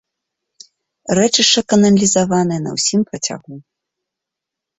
Рэчышча каналізаванае на ўсім працягу.